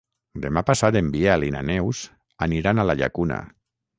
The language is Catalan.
Demà passat en Biel i na Neus aniran a la Llacuna.